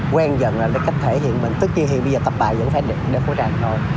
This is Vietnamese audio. quen dần lại với cách thể hiện mình tất nhiên hiện bây giờ tập bài vẫn phải để hỗ trang thôi